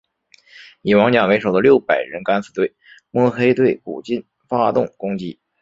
以王甲为首的六百人敢死队摸黑对古晋发动攻击。